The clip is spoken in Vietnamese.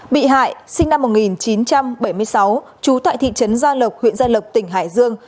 bị hại sinh năm một nghìn chín trăm bảy mươi sáu trú tại thị trấn gia lộc huyện gia lộc tỉnh hải dương